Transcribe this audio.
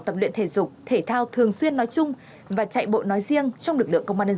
tập luyện thể dục thể thao thường xuyên nói chung và chạy bộ nói riêng trong lực lượng công an nhân dân